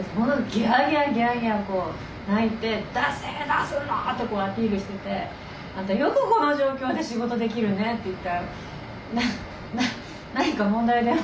ギャーギャーギャーギャー鳴いて「出せ！出すんだ！」ってアピールしててあんたこの状況でよく仕事できるねって言ったら「何か問題でも？」